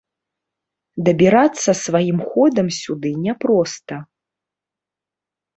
Дабірацца сваім ходам сюды няпроста.